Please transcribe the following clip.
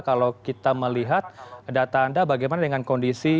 kalau kita melihat data anda bagaimana dengan kondisi